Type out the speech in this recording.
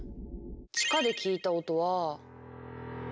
地下で聞いた音は。